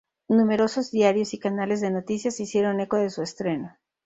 Números diarios y canales de noticias se hicieron eco de su estreno.